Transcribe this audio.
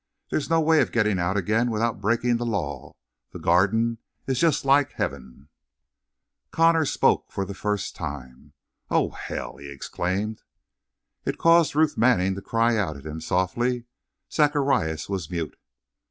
There's no way of getting out again without breaking the law. The Garden is just like heaven!" Connor spoke for the first time. "Or hell!" he exclaimed. It caused Ruth Manning to cry out at him softly; Zacharias was mute.